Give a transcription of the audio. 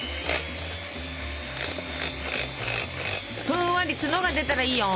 ふんわり角が出たらいいよ。